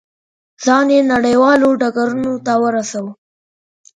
ځان یې نړیوالو ډګرونو ته ورساوه.